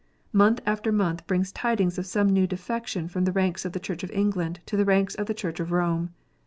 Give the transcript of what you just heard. Month after month brings tidings of some new defection from the ranks of the Church of England to the ranks of the Church of Rome.